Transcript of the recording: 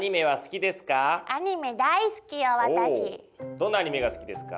どんなアニメが好きですか？